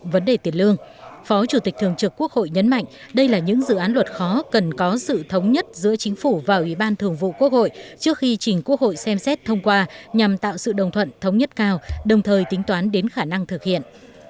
về lương phó chủ tịch thường trực quốc hội nhấn mạnh đây là những dự án luật khó cần có sự thống nhất giữa chính phủ và ủy ban thường vụ quốc hội trước khi chỉnh quốc hội xem xét thông qua nhằm tạo sự đồng thuận thống nhất cao đồng thời tính toán đến khả năng thực hiện